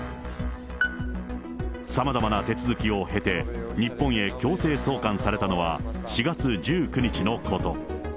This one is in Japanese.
さまざまな手続きを経て、日本へ強制送還されたのは、４月１９日のこと。